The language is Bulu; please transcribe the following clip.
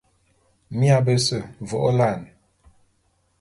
Mia bese vô'ôla'an.